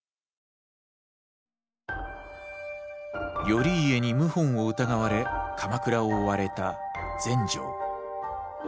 頼家に謀反を疑われ鎌倉を追われた全成。